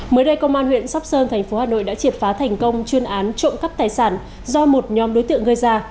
mới đây công an huyện sóc sơn thành phố hà nội đã triệt phá thành công chuyên án trộm cắp tài sản do một nhóm đối tượng gây ra